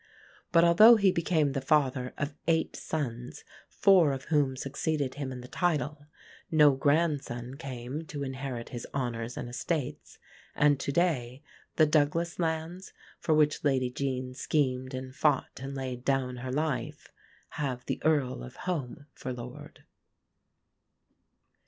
But, although he became the father of eight sons, four of whom succeeded him in the title, no grandson came to inherit his honours and estates; and to day the Douglas lands, for which Lady Jean schemed and fought and laid down her life, have the Earl of Home for lord.